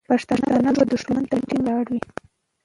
پښتانه به دښمن ته ټینګ ولاړ وو.